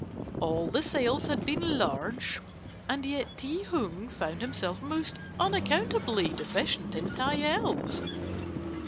All the sales had been large, and yet Ti Hung found himself most unaccountably deficient in taels.